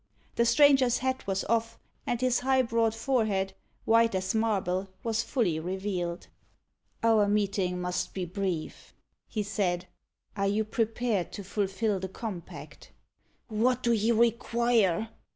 The stranger's hat was off, and his high broad forehead, white as marble, was fully revealed. "Our meeting must be brief," he said. "Are you prepared to fulfil the compact?" "What do you require?"